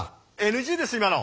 ＮＧです今の。